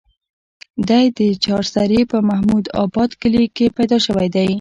دے د چارسرې پۀ محمود اباد کلي کښې پېدا شوے دے